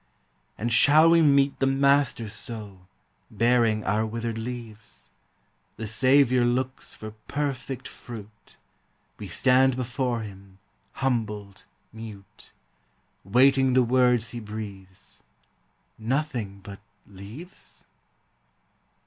And shall we meet the Master so, Bearing our withered leaves? The Saviour looks for perfect fruit, We stand before him, humbled, mute; Waiting the words he breathes,— "Nothing but leaves?"